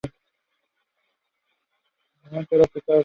Major intersections